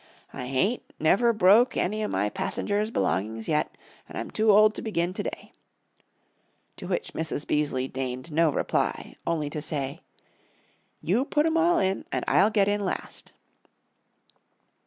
"I hain't never broke any o' my passengers' belongings yet, and I'm too old to begin to day." To which Mrs. Beaseley deigned no reply, only to say, "You put 'em all in, and I'll get in last."